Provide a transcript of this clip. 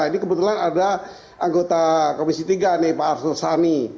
ini kebetulan ada anggota komisi tiga nih pak arsul sani